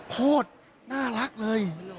โคตรน่ารักเลย